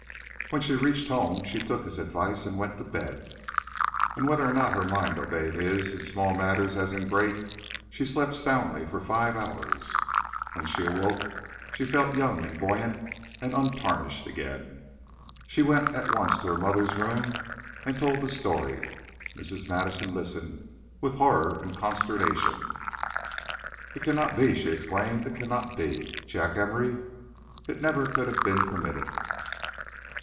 When she reached home, she took his advice and went to bed; and whether or not her mind obeyed his in small matters as in great, she slept soundly for five hours. When she awoke, she felt young and buoyant and untarnished again. She went at once to her mother's room and told the story. Mrs. Madison listened with horror and consternation. "It cannot be!" she exclaimed. "It cannot be! Jack Emory? It never could have been permitted.